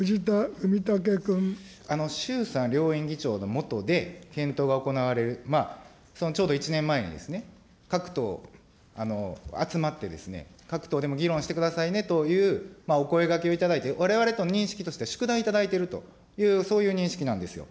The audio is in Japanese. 衆参両院議長の下で検討が行われる、まあ、そのちょうど１年前にですね、各党集まって、各党でも議論してくださいねというお声がけをいただいて、われわれの認識としては、宿題頂いているという、そういう認識なんですよ。